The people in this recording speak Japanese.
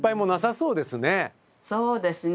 そうですね。